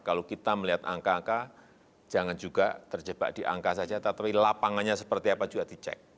kalau kita melihat angka angka jangan juga terjebak di angka saja tetapi lapangannya seperti apa juga dicek